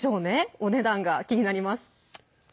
お値段が気になります。